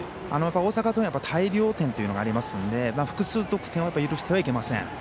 大阪桐蔭は大量点というのがありますので複数得点を許してはいけません。